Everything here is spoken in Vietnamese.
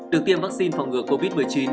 được tiêm vaccine phòng ngừa covid một mươi chín